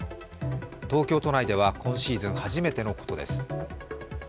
東京都内では今シーズン初めてのことです。